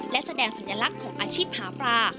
และแสดงสัญลักษณ์ของอาชีพหาปลา